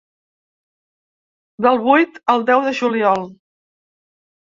Del vuit al deu de juliol.